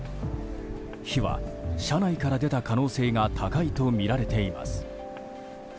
火は車内から出た可能性が高いとみられています。